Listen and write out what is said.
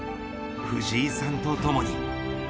藤井さんと共に。